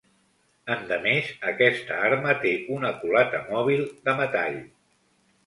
Endemés, aquesta arma, té una culata mòbil de metall.